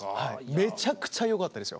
めちゃくちゃよかったですよ。